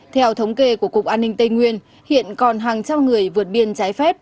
theo thống kê của cục an ninh tây nguyên hiện còn hàng trăm người vượt biên trái phép